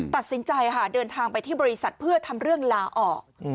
ตัดสินใจค่ะเดินทางไปที่บริษัทเพื่อทำเรื่องลาออก